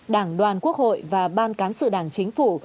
đảng đoàn quốc hội và ban cán sự đảng chính phủ